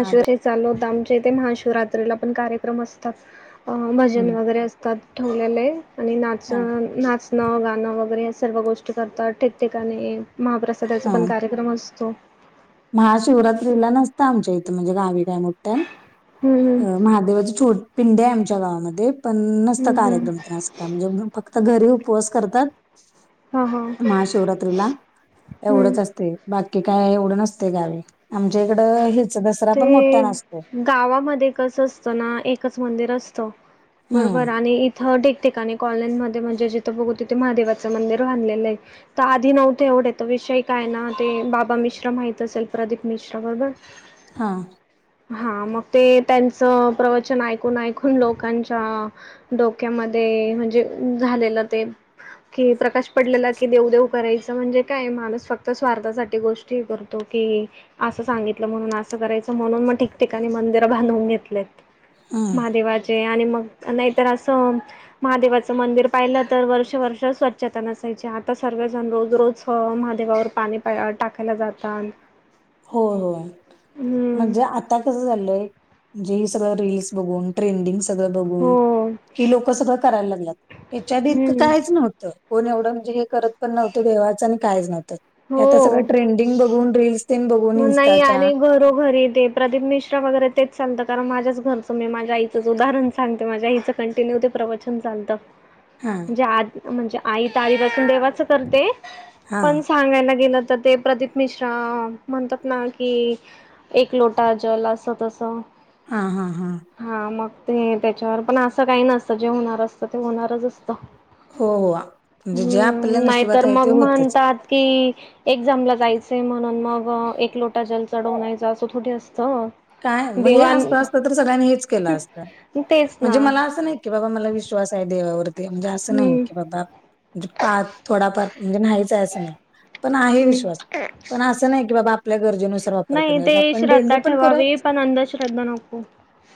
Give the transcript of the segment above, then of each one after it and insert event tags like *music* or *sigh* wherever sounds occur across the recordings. हा ब हे चालवत आमचे ते महाशिवरात्रीला पण कार्यक्रम असतात. अ भजन हम्म वगैरे असतात ठेवलेले आणि नाच हा नाच न गाणं वगैरे या सर्व गोष्टी करतात ठिकठिकाणी महाप्रसादाचा हा पण कार्यक्रम असतो. महाशिवरात्रीला नसतं आमच्या इथं म्हणजे गावी काय मोठ हम्म *unintelligible* हम्म अ महादेवाचे छोट पिंड आहे आमच्या गावामध्ये पण नसत हम्म हम्म कार्यक्रम काय म्हणजे फक्त घरी उपवास करतात. हा हा महाशिवरात्रीला हम्म. एवढंच असते बाकी काय एवढं नसत गावी आमच्या इकड हे ते गावामध्ये कस असतं ना एकच मंदिर असत हम्म बरोबर आणि थं ठिकठिकाणी कॉलेजमध्ये म्हणजे जिथं बघू तिथे महादेवाचं मंदिर बाधलेलं आहे. तर आधी नव्हते एवढे तर विषय काय ना ते बाबा मिश्रा माहित असेल प्रदीप मिश्रा बरोबर हा. हा मग ते त्यांचं प्रवचन ऐकून ऐकून लोकांच्या डोक्यामध्ये म्हणजे झालेलं ते कि प्रकाश पडलेला की देव- देव करायचं म्हणजे, काय माणूस फक्त स्वारथासाठी गोष्ट तो की अस सांगितल म्हणून असं करायच म्हणून मग ठिकठिकाणी मंदिर बांधून घेतलेत हम्म महादेवाचे आणि मग नाहीतर असं महादेवाचं मंदिर पाहिलं तर वर्ष- वर्ष स्वच्छता नसायची आता सर्वजण रोज- रोज महादेवावर पाणी पा टाकायला जातात. हो होय हं. म्हणजे आता कस झालंय म्हणजे सगळं रीलस बघून ट्रेंडिंग सगळं हो. बघून कि लोक सगळं करायला लागलेत याच्या आधी इतकं हं. काहीच नव्हत. कोण एवढं म्हणजे हे करत पण नव्हतं देवाचं म्हणजे आणि कायच नव्हतं आता सगळं हो. ट्रेंडिंग बघून रीलस देन बघून इन्स्टाच्या तो घरीे प्रदीप मिश्रा वगैरे तेच चालतं, कारण माझ्याच घरचं मी माझ्या आईचंच उदाहरण सांगते माझ्या आईचं कंटिन्यू ते प्रवचन चालतं. हा म्हणजे म्हणजे आई आधीपासून देवाच करते., हा पण सांगायला गेलं तर ते प्रदीप मिश्रा म्हणतात ना की एक लोटा जल असं- तसं हा- हा- हा हा मग ते त्याच्यावर पण असं काही नसतं, जे होणार असतं ते होणारच असतं हो- हो म्हणजे जे आपल्या हम्म नाहीतर नशिबात आहे ते मग होतच म्हणतात की एक्झामला जायच म्हणून मग व एक लोटा जल चढवण्यायचा असं थोडी असतं काय हे देवाण असतं असत तर सगळ्यांनी हेच केलं असतं तेच ना म्हणजे मला असं नाही कि बाबा मला विश्वास आहे देवावरती म्हणजे असं नाही हम्म की बाबा म्हणजे पाच थोडाफार म्हणजे नाहीच असं नाही. पण आहे हम विश्वास. पण असं नाही की बाबा आपल्या गरजें नाही ते श्रद्धा ठेवावी पण अंधश्रद्धा नको.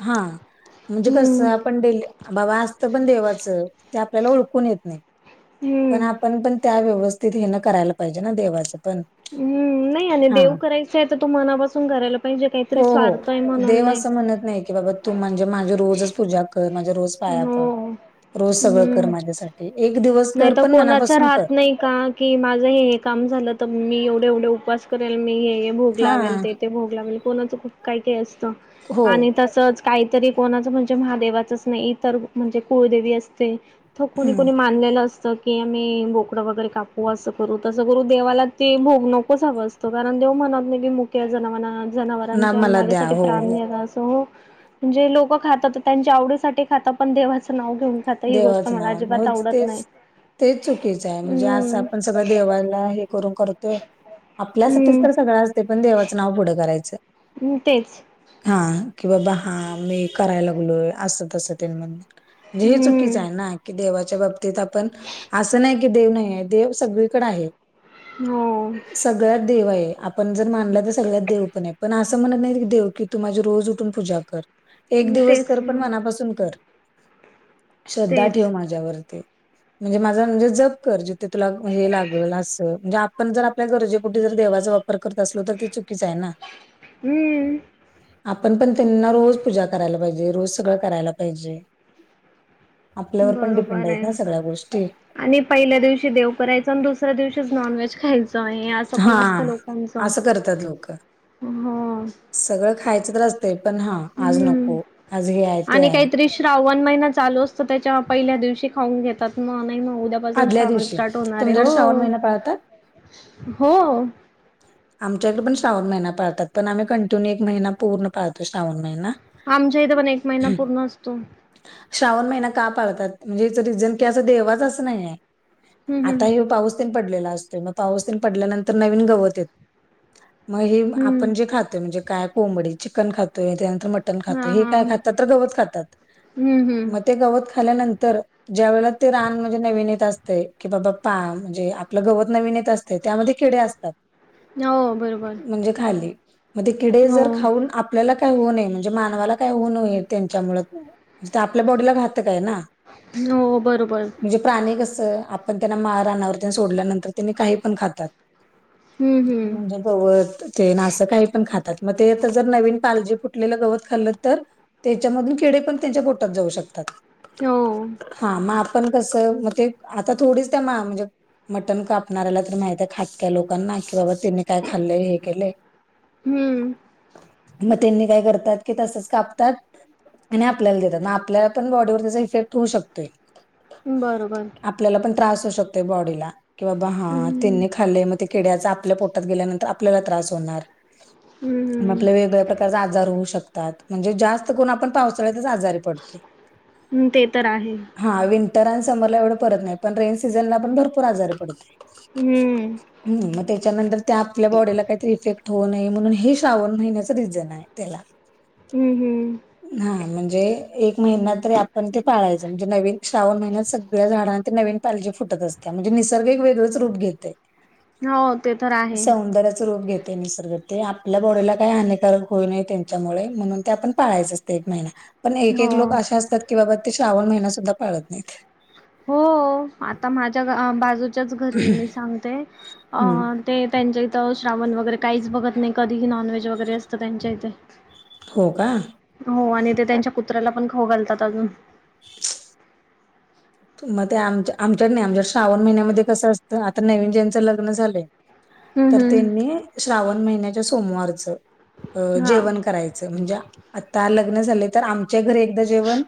हा म्हणजे कस हम्म आपण बाबा असतं पण देवाचं ते आपल्याला ओळखून येत नाही. पण हम्म. आपण पण त्या व्यवस्थित हे ना करायला पाहिजे ना देवाचं पण हम् नाही आणि हा देव करायचं आहे तर, तू मनापासून करायला पाहिजे काही हो -हो देव असं म्हणत नाही की बाबा तू म्हणजे माझे रोजच पूजा कर माझ्या रोज पायापड हो रोज सगळं कर हम्म. माझ्यासाठी एक दिवस नाही कर तर पण कोणाचं मनापासून कर. राहत नाही का की माझं हे हे काम झालं तर मी एवढे एवढे उपवास करेल मी हे भोग हा लावेल तेथे भोग लावेल कोणाचं खूप काही काय असतं हो आणि तसंच काहीतरी कोणाच म्हणजे महादेवाच नाही इतर म्हणजे कुळदेवी असते तर कोणी हम्म कोणी लं असत की आम्ही बोकडं वगैरे कापू असं करू तसं करू देवाला ते भोग नकोच हवं असतं. तो कारण देव म्हणत नाही की मुक्या जनाव ना जनावरांच्या मला द्या माझ्यासाठी हो प्राण हो आहे का असो म्हणजे लोकं खात तर त्यांच्या आवडीसाठी खातंत पण देवाचं नाव घेऊन खातात ही गोष्ट मला अजिबात आवडत नाही. ते चुकीचं आहे. म्हणजे असं हम्म आपण सगळं देवाला हे करून करतोय. आपल्यासाठीच तर हम्म सगळं असते पण देवाचं नाव पुढं करायचं. हम् तेच हा कि बाबा हा मी करायला लागलोय असत म्हणजे हे च हम्म नाही कि देवाच्या बाबतीत आपण असं नाही की देव नाही आहे देव सगळीकडे आहे. हो तर देव आहे आपण जर मानलं तर सगळ्यात देव आहे. असं म्हणतं नाहीं देवं की तूं माझी रोज उठूंन पूजा करं एक दिवसं तेच करं पणं ना मनांपासूंन करं. श्रद्धां तेच ठेवं माझ्यांवरती. म्हणजे माझां म्हणजे जंप करं जिथे तुलां हे लागलं असं म्हणजे आपणं जरं आपल्या गरजे कुंठे जरं देवाचं वापरं वापरं करतं असलो तरं ते चुकीचं आहे नां हम्म आपणं पणं त्यांना रोज पूजा करांयला पाहिजे रोजचं सगळं करांयला पाहिजे. आपल्यांवर पणं डिपेंड बरोबर आहे आहेतं नां सगळ्यां गोष्टी. आणि पहिल्या दिवशी देवं करायचं आणि दुसऱ्यां दिवशीच नॉनव्हेज खायचं. हे असं हा पणं असतं लोकांच असं करतात लोक हं. सगळं खायचं तरं असतंय पणं हां आंज नको आंज हे आहे ते आहे. श्रावणं महिना चालूं असतं त्यांच्या पहिल्या दिवशी खाऊंन घेतांत मंग नाहीं मंग उद्यां उद्यां पासुंन आदल्या श्रावणं दिवशी स्टार्ट होणारं आहे तुमच्याकडे श्रावण हो महिना पाळतात हो. आमच्यांकडे पणं श्रावणं महिना पाळतांत पणं आम्हीं कंटिन्यू एक महिना पूर्ण पाळतो श्रावणं महिना. आमच्या इथं पणं एक महिना पूर्ण असतो. श्रावणं महिना कां पाळतांत म्हणजे हेचं रिझन कि असं देवाचं नाहीये. हम्म हम्म आंता हे पाऊस तेन पडलेला असतोय मंग पाऊस तेन पडल्यानंतर नवीन गवतं येतं मंग हे हम्म आपणं जे खातोय म्हणजे कायं कोंबडी चिकन खातोय त्यांनंतर मटंन नं खातो हा हे हा कायं हम्म खातांत तरं गवतं खातांत हम्म मंग ते गवतं खांल्यानंतर ज्यां वेळे ते रांन म्हणजे नवीन येतं असते की बाबां पा म्हणजे आपलं गवतं नवीन येतं असतं त्यांमध्ये किडे असतांत. हो बरोबर. म्हणजे खांली मंग ते किडे हो, जरं खाऊंन आप आपल्यांला कायं होऊं नये म्हणजे मानवांला कायं होऊ नये त्यांच्यामु आपल्या बॉडीला घातंक आहे नां. हो बरोबर. म्हणजे प्राणी कसं आपणं त्यांना माळां रानांवरती सोडल्यानंतर त्यांनी कांहीं पणं खातांत. हं, *inaudible* *unintelligible* हं. गवतं ते नां असं कांहीं पणं खातांत मंग ते आं जरं नवीन पालजी फुटलेलं गवतं खाल्लं तरं त्यांच्यामधील किडे पणं त्यांच्या पोटातं जाऊं शकतांत. हो. हां मंग आपणं कसं मंग ते आंता थोडीचं त्यां मां म्हणजे मटंन कापणाऱ्यांला तरं माहितयं खांटक्या लोकांना की बाबां त्यांनी कायं खाल्लंय हे केले आहे हं. मंग त्यांनी कायं करतांत की तसंच कापतांत. आणि आपल्यांला देतांत मंग आपल्यांला पणं बॉडीवर त्यांचा इफेक्ट होऊं शकतोय. बरोबर. आपल्यांला पणं त्रांस होऊं शकतं तयं बॉडीला कि बाबां हं, हां हं. त्यांनी खांल्ल किड्यांचा आपल्या पोटांत गेल्यानंतर आपल्यांला त्रांस होणारं. हं, आपल्या वेगळ्यां प्रकारांच्या आजांर होऊं शकतांत म्हणजे जास्तं कोणं आपणं पावसाळ्यांतच आजांर हम्मं ते तरं आहेतं हां विंटर आणि समरलां एवढं परंत नाहीं पणं रेन सीझनला पणं भरंपूर आजारी पडतो. हम्मं. हं मंग त्यांच्यानंतर त्यां आपल्यां बॉडीला कांहीतरी इफेक्ट होऊं नये म्हणूंन हे श्रावणं महिन्यांचं रिझन आहे. तेलां हम्मं हम्मं. हां म्हणजे एक महिना तरी आपणं ते पाळायचं म्हणजे नवीन श्रावण महिन्यांत सगळ्यां झाडां ते नवीन पालजी फुटतं असतं म्हणजे निसर्ग एक वेगळंच रूपं घेतयं. हो ते तरं आहे सौंदर्याच रूप घेत. ते निसर्ग ते आपल्या बॉडीला काही हानिकारक होई नाही त्यांच्यामुळे म्हणून ते आपण पाळायचं असते एक महिना. पण एक हो. एक लोक अशे असतात की बाबा ते श्रावण महिना सुद्धा पाळत नाहीत. हो आता माझ्या ग बाजूच्याच घरी आहे मी सांगते अ. हम्म. ते त्यांच्या इथं श्रावण वगैरे काहीच बघत नाही कधीही नॉनव्हेज वगैरे असतं त्यांच्या इथे. हो का, हो आणि ते त्यांच्या कुत्र्याला पण खाऊ घालतात अजून. ह *inaudible* मग ते आम आमच्या नाही आमच्या श्रावण महिन्यामध्ये कसं असतं आता नवीन ज्यांचं लग्न झालंय. हं, तर हं. त्यांनी श्रावण महिन्याच्या सोमवारचं. अ हां. जेवण करायचं म्हणजे आता लग्न झाले तर आम ''--'' च्या घरी एकदा जेवण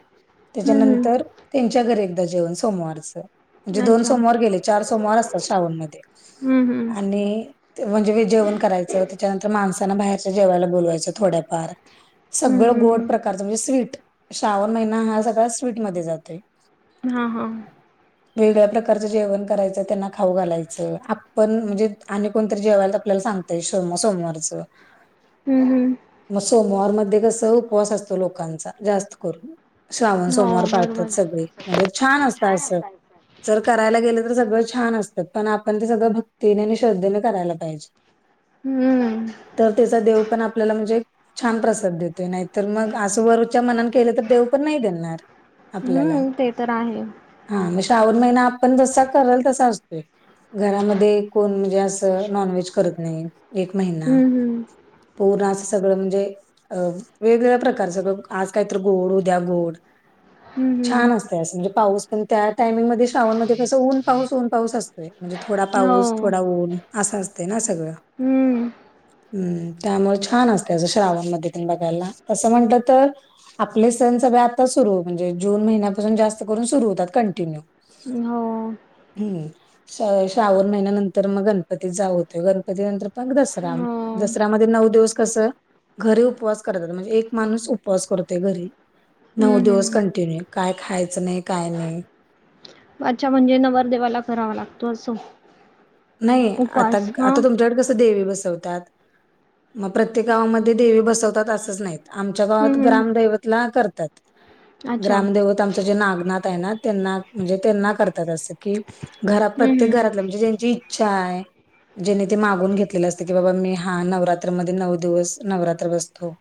हं, हं. त्याच्यानंतर त्यांच्या घर एकदा जेवण सोमवारचं. म्हणजे दोन अच्छा. सोमवार गेले चार सोमवार असतात श्रावण मध्ये हम्म हम्म. आणि. ते म्हणजे जेवण करायचं त्याच्यानंतर माणसाांना बाहेरच्या जेवायला बोलवायचं थोड्याफार. हम्म सगळं गोड हम्म. प्रकारचं म्हणजे स्वीट श्रावण महिना हा सगळा स्वीट मध्ये जातोय. हा हा, वेगळ्या प्रकारचं जेवण करायचं त्यांना खाऊ घालायचं आपण म्हणजे आणि कोणतरी जेवायला आपल्याला सांग ''--'' ते सोमा सोमवारचं. हम्म हम्म, मग सोमवार मध्ये कस उपवास असतो लोकांचा जास्त करून. श्रावण हो सोमवार पाळतात बरोबर. सगळे म्हणजे छान असतात असं. जर करायला गेलं तर सगळं छान असतात पण आपण ते सगळं भक्तीने आणि श्रद्धेने करायला पाहिजे. हम्म. तर त्याचा देव पण आपल्याला म्हणजे. छान प्रसाद देतो नाहीतर मग आस वरूच्या मनात केलं तर देऊ पण नाही देणार. आपल्याला हुम्म ते तर आहे. हा म श्रावण महिना आपण जसा कराल तसा असतोय. घरामध्ये कोण म्हणजे असं नॉनव्हेज करत नाही. एक महिना हम्म हम्म. पूर्ण असं सगळं म्हणजे. अ वेगवेगळ्या प्रकारचं आज काहीत गोड उद्या गोड. हम्म हम्म. छान असत अस म्हणजे पाऊस पण त्या टामिंगमध्ये. श्रावण मध्ये कसं ऊनपाऊसऊन पाऊस असतोय म्हणजे थोडा पाऊस हो. थोडा ऊन असा असत ना. सगळ हम्म. हु त्यामुळे छान असत श्रावमध्ये. बघायला तस म्हटलतर आपले सण सगळे आता सुरु म्हणजे जुन महिन्यात. अजून जास्त करून सुरू होतात कंटिन्यु. हो, हुम्म श्र श्रावण महिन्यानंतर मग गणपती चालु होतोय गणपती नंतर. मग दसरा हो. दसऱ्यामध्ये नऊ दिवस. कस घरी उपवास करत्यात म्हणजे एक माणूस उपवास करतोय घरी. नऊ हम्म दिवस हम्म. कंटिन्यू काय खायचं नाही काय नाही. अच्छा म्हणजे नवरदेवाला करावा लागतो असं. नई आता उपवास हां. आता तुमच्याकडे कसं देवी बसवतात. मग प्रत्येक गावामध्ये देवी बसवतात असंच नाहीत आमच्या गावात हम्म हम्म. ग्रामदैवतला करतात. अच्छा. ग्रामदेवत आमचं जे नागनाथ आहे ना त्यांना म्हणजे त्यांना करतात असत. कि घरात हम्म प्रत्येक हम्म. घरातलं म्हणजे ज्यांची इच्छा आहे. जेने ते मागून घेतलेले असते की बाबा मी हा नवरात्रमध्येध्ये नऊ दिवस नवरात्र बसतो.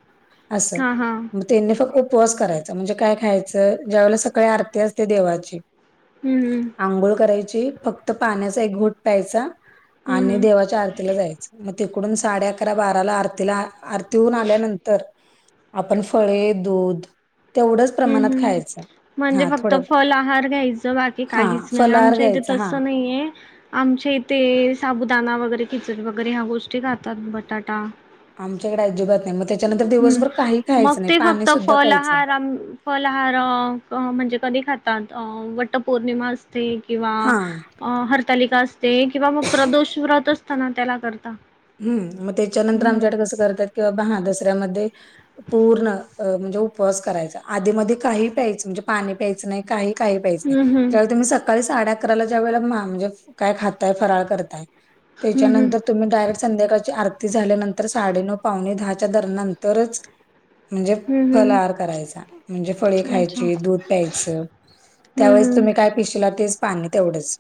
असं हां हां. म त्यांनी फक्त उपवास करायचा म्हणजे काय खायचं ज्यावेेळेला सकाळी आरती असते देवाची हुम्म आंघोळ करायची फक्त पाण्याचा एक घोट प्यायचा हम्म आणि हम्म. देवाच्या आरतीला जायचा मग तिकडून साडे अकरा बाराला आरतीला आरती होऊन आल्यानंतर आपण फळे दूध तेवढच हम्म प्रमाणात हम्म. खायचं म्हणजे हा फक्त थोड्या फल आहार घ्यायचं बाकी हा काहीच नाही फलाहार आमच्या इथे घ्यायचा हा तसं नाहीये आमच्या इथे साबुदाणा वगैरे खिचडी वगैरे ह्या गोष्टी खातात बटाटा आमच्याकडे अजिबात नाही मग ते हं, मग ते फक्त सुद्धा प्यायचं नाही फलआहार अं फलहार म्हणजे कधी खातात? वटपौर्णिमा असते किंवा हा अं हरतालिका असते किंवा मग प्रदोष व्रत असतं ना? त्याला करता. हुम् मग त्याच्यानंतर हम्म आमच्याकडे कसं करतात किं हा दसऱ्यामध्ये पूर्ण म्हणजे उपवास करायचा आधी मध्ये काही प्यायचं म्हणजे पाणी. प्यायचा नाही, काही-काही प्यायचं नाही हम्म ज्यावेळेस तुम्ही स सकाळी साडे अकराला जेवायला म्हा काय खाताय? फराळ करताय? हम्म हम्म त्याच्यानंतर तुम्ही डायरेक्ट संध्याकाळची आरती झाल्यानंतर साडेनऊ पावणे दहाच्या दर नंतरच म्हणजे हम्म फलहार करायचा. म्हणजे फळे हम्म अच्छा. खायची, दूध प्यायचं. हम्म त्यावेळेस हम्म तुम्ही काय पिशील तेच पाणी तेवढंच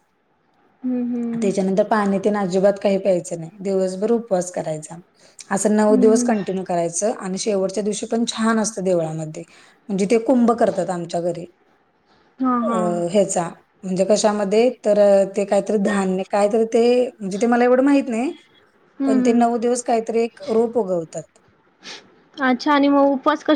हम्म हम्म त्याच्यानंतर पाणी अजिबात काही प्यायच नाही. दिवसभर उपवास करायचा असं नऊ दिवस हम्म कंटिन्यू करायचं आणि शेवटच्या दिवशी पण छान असतं देवळामध्ये. जिथे कुंभ करतात आमच्या घर हम्म हा हा. म्हणजे कशामध्ये तर ते काय तरी धान्य काय तरी ते म्हणजे ते मला एवढं माहित नाही. हं, पण ते हं. नऊ दिवस काहीतरी एक रोप उगवतात. हा छान आहे मग उपवास कस